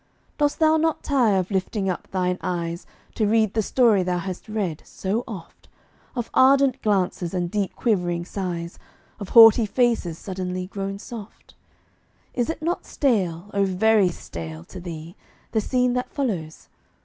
Dost thou not tire of lifting up thine eyes To read the story thou hast read so oft Of ardent glances and deep quivering sighs, Of haughty faces suddenly grown soft? Is it not stale, oh, very stale, to thee, The scene that follows?